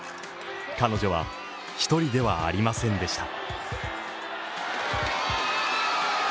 彼女は一人ではありませんでした。